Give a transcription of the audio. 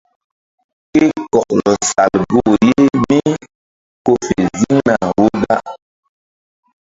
Ke kɔklɔ sal goh ye mi ko fe ziŋna wo da.